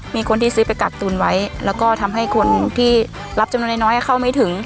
มีคนที่ซื้อไปกักตุนไว้แล้วก็ทำให้คนที่รับจำนวนน้อยเข้าไม่ถึง